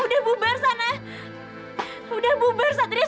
udah bubar bubar semuanya